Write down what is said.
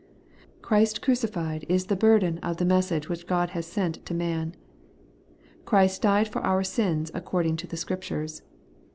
Christ crucified ' is the burden of tlie message which God has sent to man. ' Christ died for our sins, according to the Scriptures.'